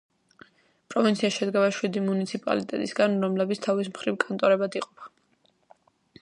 პროვინცია შედგება შვიდი მუნიციპალიტეტისაგან, რომლებიც თავის მხრივ კანტონებად იყოფა.